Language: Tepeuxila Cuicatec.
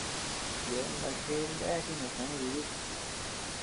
Yeabean ndá jeʼe ndéa chi jinastoʼö nuku dutit.